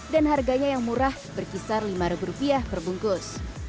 dan harganya yang murah berkisar lima ribu rupiah per bungkus